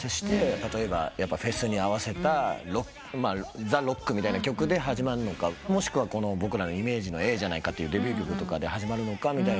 例えばフェスに合わせたザ・ロックみたいな曲で始まるのかもしくは僕らのイメージの『ええじゃないか』ってデビュー曲で始まるのか？